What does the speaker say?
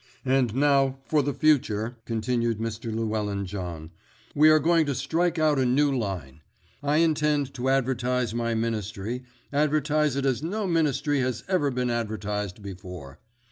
"And now, for the future," continued Mr. Llewellyn John, "we are going to strike out a new line. I intend to advertise my Ministry, advertise it as no ministry has ever been advertised before.